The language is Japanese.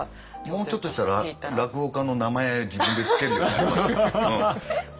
もうちょっとしたら落語家の名前自分で付けるようになりますよ。